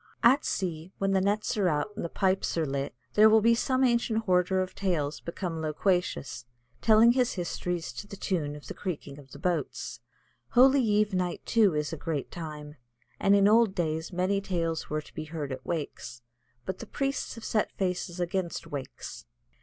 At sea, when the nets are out and the pipes are lit, then will some ancient hoarder of tales become loquacious, telling his histories to the tune of the creaking of the boats. Holy eve night, too, is a great time, and in old days many tales were to be heard at wakes. But the priests have set faces against wakes.